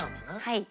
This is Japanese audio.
はい。